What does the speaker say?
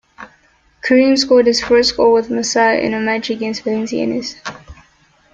Karim scored his first goal with Marseille in a match against Valenciennes.